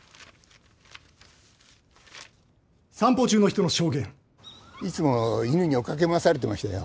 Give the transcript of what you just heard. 「散歩中の人の証言」いつも犬に追っ掛け回されてましたよ